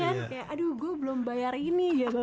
ya kan kayak aduh gue belum bayar ini gitu